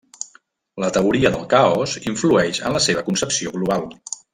La teoria del caos influeix en la seva concepció global.